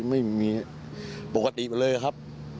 ไม่มีปกติไปเลยครับ